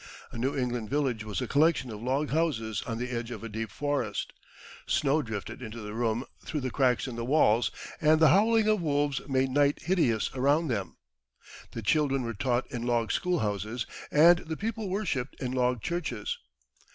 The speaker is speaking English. A New England village was a collection of log houses on the edge of a deep forest. Snow drifted into the room through the cracks in the walls, and the howling of wolves made night hideous around them. The children were taught in log schoolhouses, and the people worshipped in log churches.